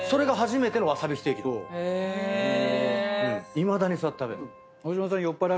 いまだにそうやって食べる。